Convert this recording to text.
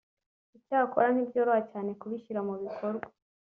icyakora ntibyoroha cyane kubishyira mu bikorwa